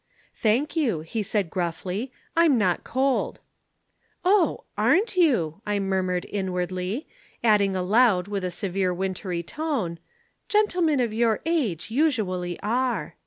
"'Thank you,' he said gruffly, 'I'm not cold.' "'Oh, aren't you!' I murmured inwardly, adding aloud with a severe wintry tone, 'Gentlemen of your age usually are.'